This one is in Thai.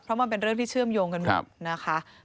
เพราะมันเป็นเรื่องที่เชื่อมโยงกันหมดนะคะ